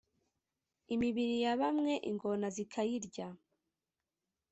imibiri ya bamwe ingona zikayirya